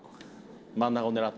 真ん中を狙って。